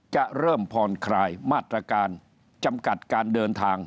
จะเริ่มผ่อนคลายมาตรการจำกัดการเดินทาง